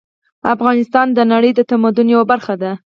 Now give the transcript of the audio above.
افغانستان د نړۍ د تمدن یوه برخه وه